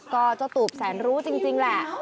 ก็เจ้าตูบแสนรู้จริงแหละ